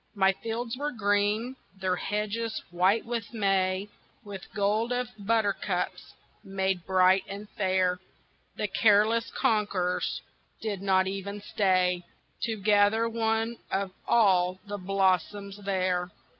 My fields were green, their hedges white with May, With gold of buttercups made bright and fair, The careless conquerors did not even stay To gather one of all the blossoms there.